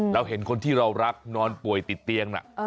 เราเห็นคนที่เรารักนอนป่วยติดเตียงน่ะ